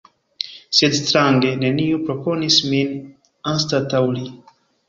Sed strange: neniu proponis min anstataŭ li!